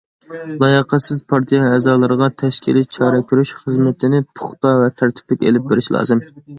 لاياقەتسىز پارتىيە ئەزالىرىغا تەشكىلىي چارە كۆرۈش خىزمىتىنى پۇختا ۋە تەرتىپلىك ئېلىپ بېرىش لازىم.